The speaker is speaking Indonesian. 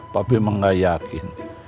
papih mah gak yakin